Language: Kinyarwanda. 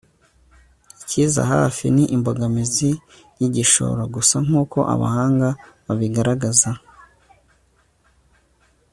ikiza hafi ni imbogamizi y'igishoro. gusa nk'uko abahanga babigaragaza